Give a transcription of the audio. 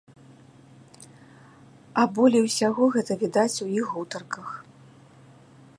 А болей усяго гэта відаць у іх гутарках.